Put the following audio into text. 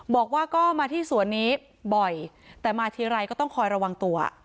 บอกว่าก็มาที่สวนนี้บ่อยแต่มาทีไรก็ต้องคอยระวังตัว